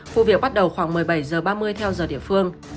vụ việc bắt đầu khoảng một mươi bảy h ba mươi theo giờ địa phương